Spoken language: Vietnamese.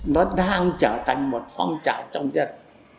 nó đang trở thành một phong trào trong dân